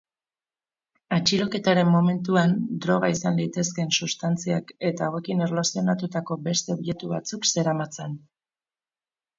Atxiloketaren momentuan droga izan litezkeen substantziak eta hauekin erlazionatutako beste objetu batzuk zeramatzan.